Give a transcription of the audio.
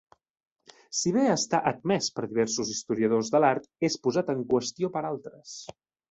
Si bé està admès per diversos historiadors de l'art, és posat en qüestió per altres.